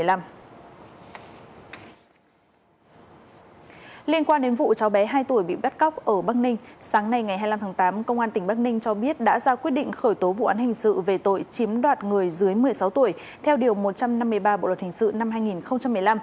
liên quan đến vụ cháu bé hai tuổi bị bắt cóc ở bắc ninh sáng nay ngày hai mươi năm tháng tám công an tỉnh bắc ninh cho biết đã ra quyết định khởi tố vụ án hình sự về tội chiếm đoạt người dưới một mươi sáu tuổi theo điều một trăm năm mươi ba bộ luật hình sự năm hai nghìn một mươi năm